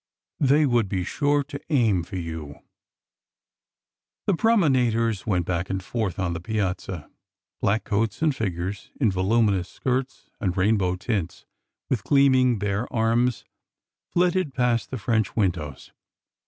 They would be sure to aim for you 1 " The promenaders went back and forth on the piazza; black coats, and figures in voluminous skirts and rainbow tints, with gleaming bare arms, flitted past the French windows.